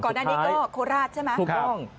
ก่อนหน้านี้ก็โคราชใช่ไหมถูกต้อง